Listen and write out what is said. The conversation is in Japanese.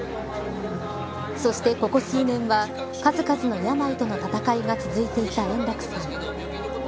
そして、ここ数年は数々の病との戦いが続いていた円楽さん。